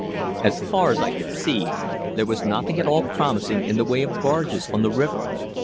As far as I could see, there was nothing at all promising in the way of bargees on the river.